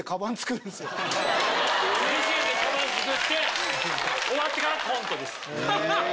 ミシンでカバン作って終わってからコントです。